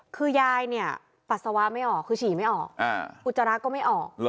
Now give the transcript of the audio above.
คือยายเนี่ยปัสสาวะไม่ออกคือฉี่ไม่ออกอุจจาระก็ไม่ออก